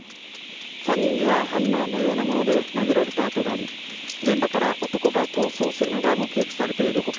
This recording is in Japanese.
３人にはハンマーのようなもので殴られた痕があり現場から男が逃走するのが目撃されている他